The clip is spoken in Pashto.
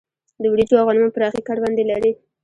د وريجو او غنمو پراخې کروندې لري.